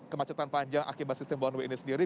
kemacetan panjang akibat sistem one way ini sendiri